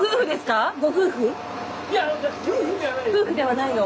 夫婦ではないの？